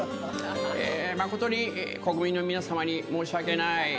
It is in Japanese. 誠に国民の皆さまに申し訳ない。